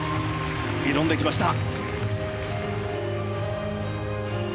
挑んできました。